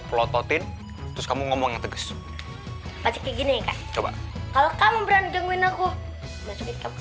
pelototin terus kamu ngomong tegas kayak gini kalau kamu berani jangguin aku masukin kamu ke